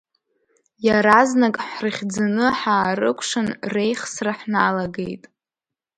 Иаразнак ҳрыхьӡаны ҳаарыкәшан реихсра ҳналагеит.